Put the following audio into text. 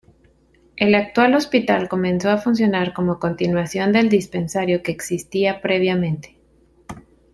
El actual Hospital comenzó a funcionar como continuación del dispensario que existía previamente.